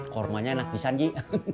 kormanya enak pisan ji